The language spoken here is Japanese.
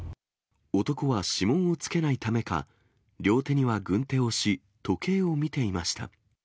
男は指紋をつけないためか、両手には軍手をし、時計を見ていました。